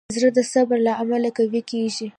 زړه د صبر له امله قوي کېږي.